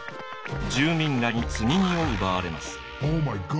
住民らに積み荷を奪われます。